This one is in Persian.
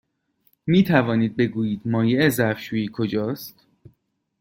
می توانید بگویید مایع ظرف شویی کجاست؟